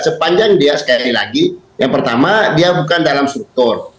sepanjang dia sekali lagi yang pertama dia bukan dalam struktur